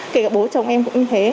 kể cả bố chồng em cũng như thế